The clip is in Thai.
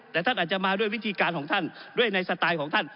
แต่ท่านอาจจะมาด้วยวิธีการของท่านด้วยในสไตล์ของท่าน